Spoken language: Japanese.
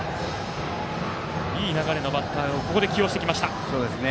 いい流れのバッターをここで起用してきました。